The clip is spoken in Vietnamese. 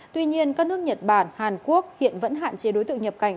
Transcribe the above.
tuy nhiên các nước nhật bản hàn quốc hiện vẫn hạn chế đối tượng nhập cảnh